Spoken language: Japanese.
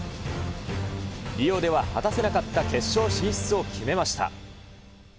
リオでは果たせなかった決勝進出を決めました。